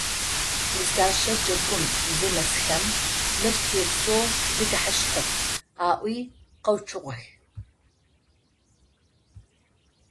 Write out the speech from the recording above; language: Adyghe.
Нысэщэ джэгум зынэсхэм, «Мыр тигъусэу тыдэхьащтэп», - аӏуи къэуцугъэх.